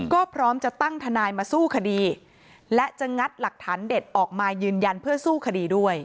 ก็พร้อมจะตั้งทนายมาสู้คดีและจะงัดหลักฐานเด็ดออกมายืนยันเพื่อสู้คดีด้วย